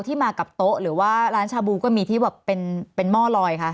มากับโต๊ะหรือว่าร้านชาบูก็มีที่แบบเป็นหม้อลอยคะ